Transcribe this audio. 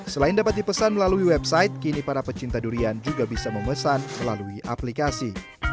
selain dapat dipesan melalui website kini para pecinta durian juga bisa memesan melalui aplikasi